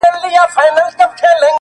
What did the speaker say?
ورسره څه وکړم بې وسه سترگي مړې واچوي’